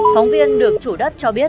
phóng viên được chủ đất cho biết